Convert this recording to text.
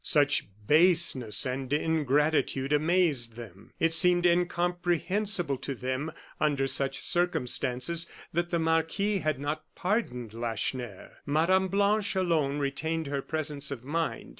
Such baseness and ingratitude amazed them. It seemed incomprehensible to them, under such circumstances, that the marquis had not pardoned Lacheneur. Mme. Blanche alone retained her presence of mind.